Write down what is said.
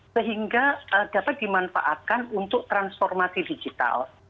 sehingga dapat dimanfaatkan untuk transformasi digital